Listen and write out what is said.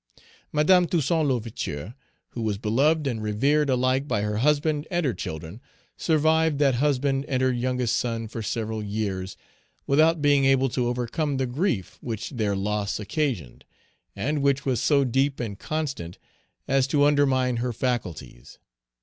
Madame Toussaint L'Ouverture, who was beloved and revered alike by her husband and her children, survived that husband and her youngest son for several years, without being able to overcome the grief which their loss occasioned, and which was so deep and constant as to undermine her faculties.